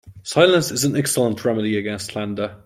Silence is an excellent remedy against slander.